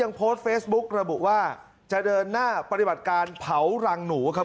โพสต์เฟซบุ๊กระบุว่าจะเดินหน้าปฏิบัติการเผารังหนูครับ